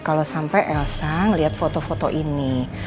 kalau sampai elsa melihat foto foto ini